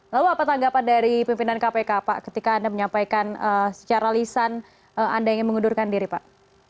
lalu apa tanggapan dari pimpinan kpk pak ketika anda menyampaikan secara lisan anda ingin mengundurkan diri pak